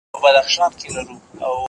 زه له سهاره نان خورم؟